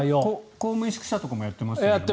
公務員宿舎とかもやってますよね。